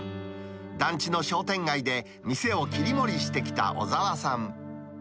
団地の商店街で店を切り盛りしてきた小澤さん。